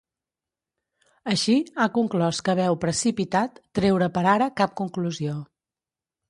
Així, ha conclòs que veu “precipitat” treure per ara cap conclusió.